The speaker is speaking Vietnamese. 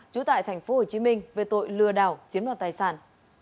trú tại tp hcm về tội lừa đảo chiếm đoạt tài sản